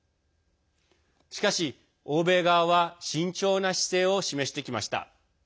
しかし、欧米側は慎重な姿勢を示してきました。